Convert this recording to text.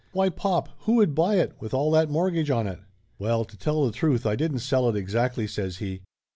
"Why, pop, who would buy it, with all that mortgage on it ?" "Well, to tell the truth I didn't sell it exactly," says he.